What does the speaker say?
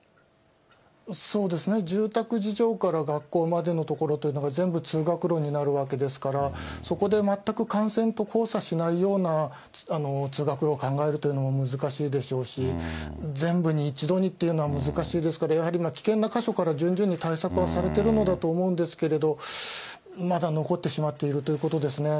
そうですね、住宅じじょうから学校までの所というのが全部通学路になるわけですから、そこで全く幹線と交差しないような通学路を考えるというのも難しいでしょうし、全部に一度にっていうのは難しいですから、やはり危険な箇所から順々に対策をされてるのだと思うんですけれども、いまだ残ってしまっているということですね。